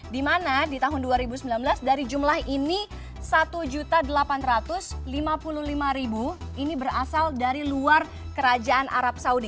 di mana di tahun dua ribu sembilan belas dari jumlah ini satu delapan ratus lima puluh lima ini berasal dari luar kerajaan arab saudi